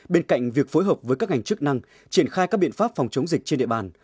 bên cạnh việc phối hợp với các ngành chức năng triển khai các biện pháp phòng chống dịch trên địa bàn